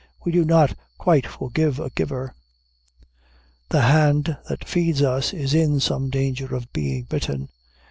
We do not quite forgive a giver. The hand that feeds us is in some danger of being bitten.